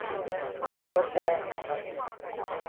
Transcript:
นั่งรถแดง